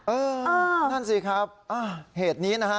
เออนั่นสิครับเหตุนี้นะฮะ